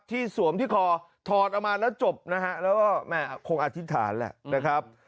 สวมที่คอถอดออกมาแล้วจบนะฮะแล้วก็แม่คงอธิษฐานแหละนะครับ